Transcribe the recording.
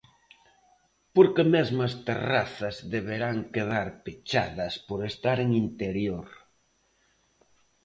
Porque mesmo as terrazas deberán quedar pechadas por estar en interior.